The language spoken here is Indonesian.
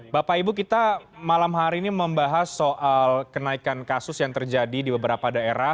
bapak ibu kita malam hari ini membahas soal kenaikan kasus yang terjadi di beberapa daerah